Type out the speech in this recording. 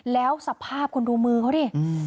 แล้วสภาพคุณดูมือเขาดิ